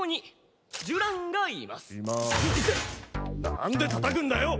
なんでたたくんだよ！